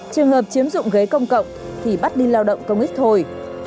trường hợp chiếm dụng ghế công cộng thì bắt đi lao động công ích thôi